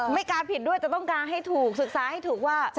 การผิดด้วยจะต้องการให้ถูกศึกษาให้ถูกว่า